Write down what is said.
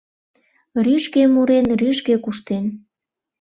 Рӱжге мурен, рӱжге куштен